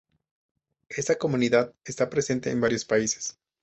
Esta comunidad, esta presente en varios países.